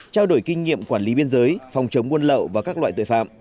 trao đổi kinh nghiệm quản lý biên giới phòng chống buôn lậu và các loại tội phạm